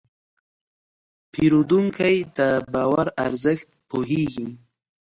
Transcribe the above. پیرودونکی د باور ارزښت پوهېږي.